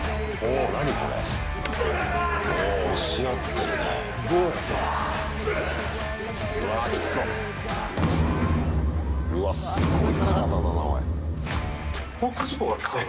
うわっ、すごい体だな、おい。